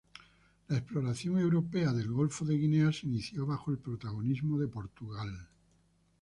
La exploración europea del golfo de Guinea se inició bajo el protagonismo de Portugal.